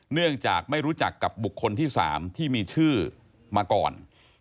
เนื่องจากไม่รู้จักกับบุคคลที่๓ที่มีชื่อมาก่อน